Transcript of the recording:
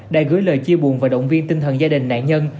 đã gửi lời chia buồn và động viên tinh thần gia đình nạn nhân